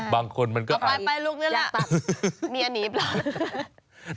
บางคนมันก็อาจอยากตัดเมียนี้บ้าง